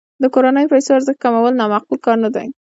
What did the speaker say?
د کورنیو پیسو ارزښت کمول نا معقول کار نه دی.